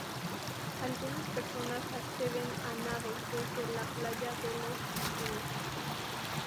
Algunas personas acceden a nado desde la playa de los Bikinis.